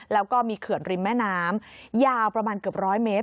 แล้วก็มีเขื่อนริมแม่น้ำยาวประมาณเกือบร้อยเมตร